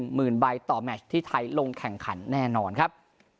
หมื่นใบต่อแมชที่ไทยลงแข่งขันแน่นอนครับ